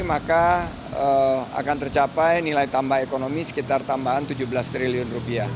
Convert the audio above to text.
maka akan tercapai nilai tambah ekonomi sekitar tambahan rp tujuh belas triliun